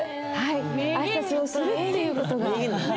挨拶をするっていうことが。